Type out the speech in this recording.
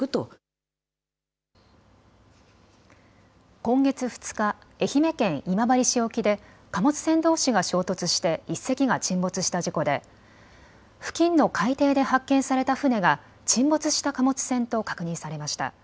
今月２日、愛媛県今治市沖で貨物船どうしが衝突して１隻が沈没した事故で付近の海底で発見された船が沈没した貨物船と確認されました。